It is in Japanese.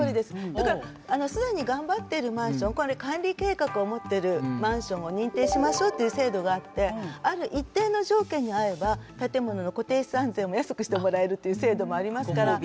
だから既に頑張ってるマンション管理計画を持ってるマンションを認定しましょうという制度があってある一定の条件に合えば建物の固定資産税も安くしてもらえるっていう制度もありますから。